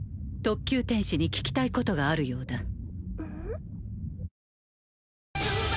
特級天使に聞きたいことがあるようだ